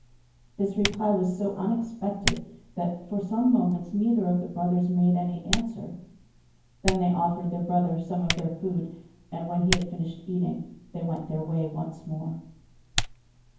This reply was so unexpected that for some moments neither of the brothers made any answer. Then they offered their brother some of their food, and when he had finished eating they went their way once more.